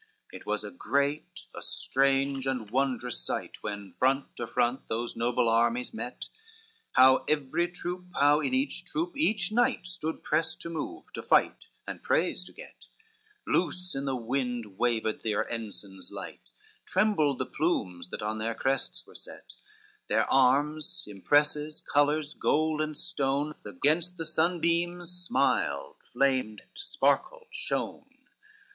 XXVIII It was a great, a strange and wondrous sight, When front to front those noble armies met, How every troop, how in each troop each knight Stood prest to move, to fight, and praise to get, Loose in the wind waved their ensigns light, Trembled the plumes that on their crests were set; Their arms, impresses, colors, gold and stone, Against the sunbeams smiled, flamed, sparkled, shone.